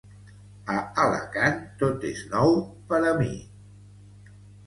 A Alacant tot és nou, per a mi.